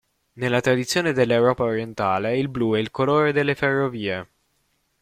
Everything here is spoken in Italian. Nella tradizione dell'Europa orientale il blu è il colore delle ferrovie.